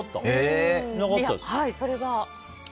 はい、それは。